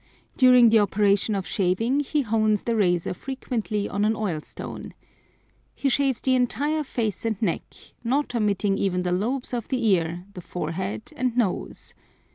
During the operation of shaving he hones the razor frequently on an oil stone. He shaves the entire face and neck, not omitting even the lobes of the ear, the forehead, and nose.